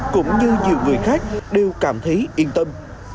cũng như nhiều người khác đều cảm thấy yên tâm